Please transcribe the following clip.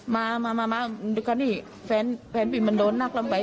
มาก็นี่แฟนปีมันโดนนักลำไบ